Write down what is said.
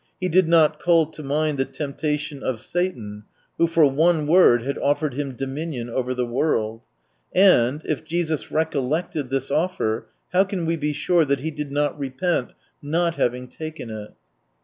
He did not call to mind the temptation of Satan, who for one word had offered Him dominion over the world ? And, if Jesus recollected this offer, how can we be sure that He did not repent not having taken it ?...